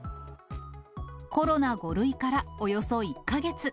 コロナ５類からおよそ１か月。